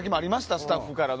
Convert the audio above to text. スタッフからの。